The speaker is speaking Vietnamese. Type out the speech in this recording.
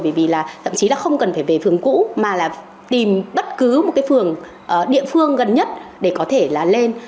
bởi vì là thậm chí là không cần phải về phường cũ mà là tìm bất cứ một cái phường địa phương gần nhất để có thể là lên